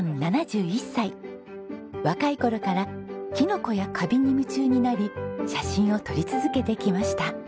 若い頃からキノコやカビに夢中になり写真を撮り続けてきました。